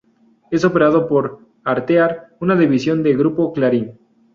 Es operado por Artear, una división de Grupo Clarín.